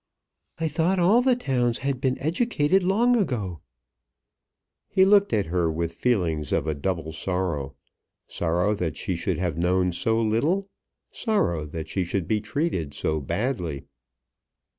"I thought all the towns had been educated long ago." He looked at her with feelings of a double sorrow; sorrow that she should have known so little, sorrow that she should be treated so badly.